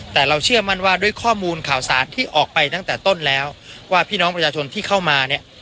แต่เราเชื่อมั่นว่าด้วยข้อมูลข่าวสารที่ออกไปตั้งแต่ต้นแล้วว่าพี่น้องประชาชนที่เข้ามาเนี่ย